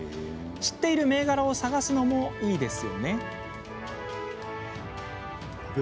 知っている銘柄を探すのもいいですよね。